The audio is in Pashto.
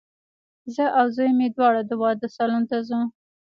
زه او زوی مي دواړه د واده سالون ته ځو